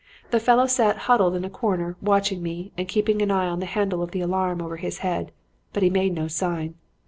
The fellow sat huddled in a corner, watching me and keeping an eye on the handle of the alarm over his head; but he made no sign.